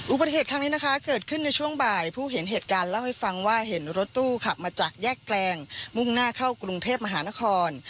อุบัติเหตุครั้งนี้นะคะเกิดขึ้นในช่วงบ่ายผู้เห็นเหตุการณ์เล่าให้ฟังว่าเห็นรถตู้ขับมาจากแยกแกลงมุ่งหน้าเข้ากรุงเทพมหานคร